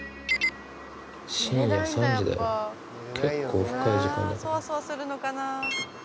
深夜３時だよ結構深い時間。